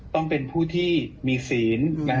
ต้องเป็นผู้ที่มีศีลอย่างเกภะเกจิต่าง